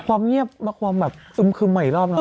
ความเงียบเปอัดอึมคืมมาอีกรอบน้อย